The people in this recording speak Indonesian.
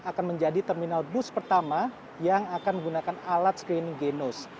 akan menjadi terminal bus pertama yang akan menggunakan alat screening genos